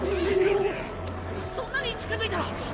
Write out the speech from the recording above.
そんなに近づいたら危ない。